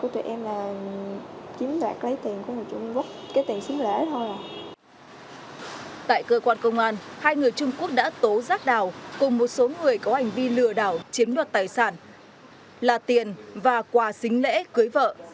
tại cơ quan công an hai người trung quốc đã tố rác đào cùng một số người có hành vi lừa đảo chiếm đoạt tài sản là tiền và quà xính lễ cưới vợ